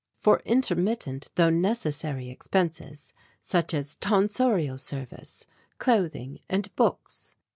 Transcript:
For intermittent though necessary expenses, such as tonsorial service, clothing and books.